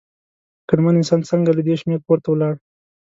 عقلمن انسان څنګه له دې شمېر پورته ولاړ؟